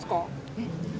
えっ？